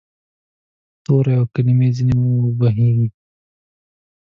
تورې او کلمې ځیني وبهیږې